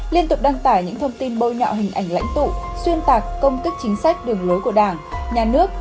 liên tục đăng tải những thông tin bôi nhạo hình ảnh lãnh tụ xuyên tạc công tức chính sách đường lối của đảng nhà nước